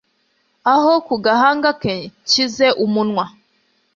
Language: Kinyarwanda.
aho ku gahanga ke nshyize umunwa